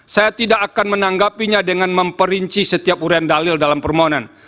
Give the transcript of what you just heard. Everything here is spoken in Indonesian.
saya tidak akan menanggapinya dengan memperinci setiap urian dalil dalam permohonan